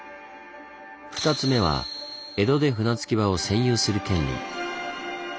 ２つ目は江戸で船着き場を占有する権利。